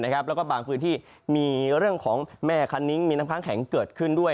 แล้วก็บางพื้นที่มีเรื่องของแม่คันนิ้งมีน้ำค้างแข็งเกิดขึ้นด้วย